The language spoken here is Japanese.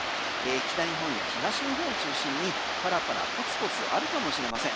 北日本や東日本を中心にパラパラポツポツあるかもしれません。